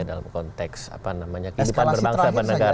dalam konteks kehidupan berbangsa dan negara